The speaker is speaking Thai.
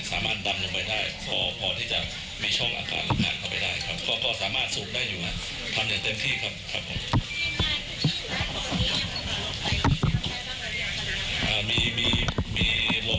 อ่ามีมีมีลงไปบ้างนะครับแต่ว่าลงลงไปยังไม่ถึง